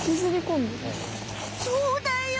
そうだよ！